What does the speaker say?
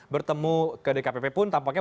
bertemu ke dkpp pun tampaknya